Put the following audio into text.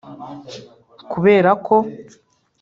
kubera ko